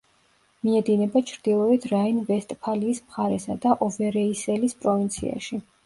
მიედინება ჩრდილოეთ რაინ-ვესტფალიის მხარესა და ოვერეისელის პროვინციაში.